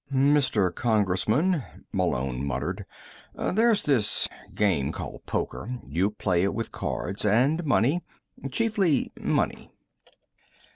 "Mr. Congressman," Malone muttered, "there's this game called poker. You play it with cards and money. Chiefly money."